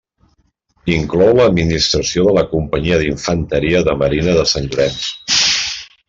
Inclou l'administració de la Companyia d'Infanteria de Marina de Sant Llorenç.